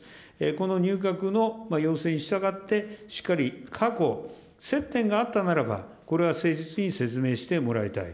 この入閣の要請に従って、しっかり過去、接点があったならば、これは誠実に説明してもらいたい。